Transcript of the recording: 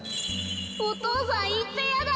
お父さんいっちゃやだ。